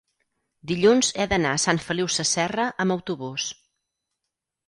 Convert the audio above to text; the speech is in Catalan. dilluns he d'anar a Sant Feliu Sasserra amb autobús.